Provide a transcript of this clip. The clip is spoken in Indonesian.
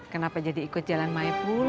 kenapa jadi ikut jalan ma pulang